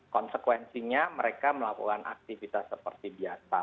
konsekuensinya mereka melakukan aktivitas seperti biasa